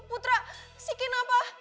putra si kenapa